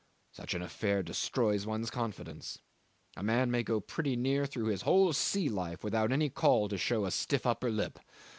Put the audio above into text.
Such an affair destroys one's confidence. A man may go pretty near through his whole sea life without any call to show a stiff upper lip.